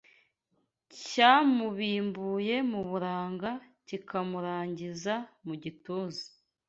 Cyamubimbuye mu buranga Kikamurangiza mu gituza